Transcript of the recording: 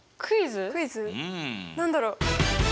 何だろう？